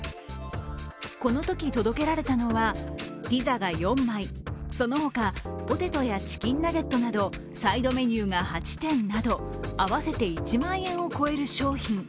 このとき届けられたのはピザが４枚その他、ポテトやチキンナゲットなどサイドメニューが８点など合わせて１万円を超える商品。